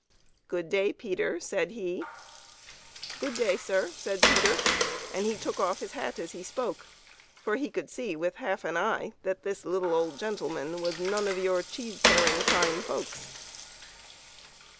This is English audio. " Good day, Peter," said he. " Good day, sir," said Peter, and he took off his hat as he spoke, for he could see with half an eye that this little old gentleman was none of your cheese paring fine folks.